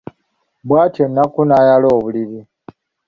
Bw'atyo Nakku n'ayala obuliri.